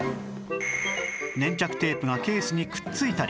粘着テープがケースにくっついたり